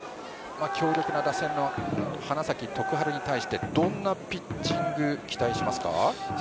この鈴木投手が強力な打線の花咲徳栄に対してどんなピッチング期待しますか？